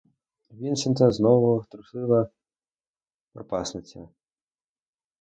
Вінсента знову трусила пропасниця.